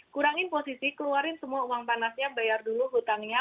kurangin posisi keluarin semua uang panasnya bayar dulu hutangnya